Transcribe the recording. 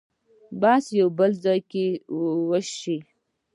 بحث بل ځای کې وشي.